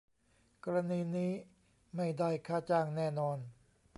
กรณีนี้ไม่ได้ค่าจ้างแน่นอน